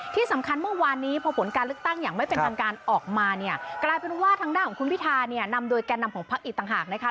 ที่สำคัญเมื่อวานระดับการเลือกตั้งออกมากลายเป็นว่าทางด้านคุณพิทานำเรือกตั้งอย่างยังงั้น